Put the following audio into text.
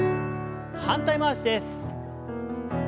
反対回しです。